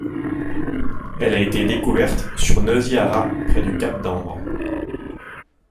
Elle a été découverte sur Nosy Hara près du cap d'Ambre.